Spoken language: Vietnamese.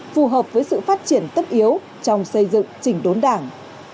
phù hợp với sự phát triển tất yếu trong xây dựng chỉnh đốn đảng